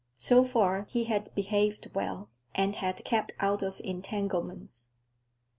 So far, he had behaved well, and had kept out of entanglements.